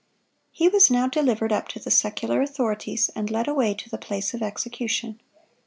"(142) He was now delivered up to the secular authorities, and led away to the place of execution.